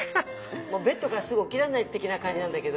ベッドからすぐ起きらんない的な感じなんだけど。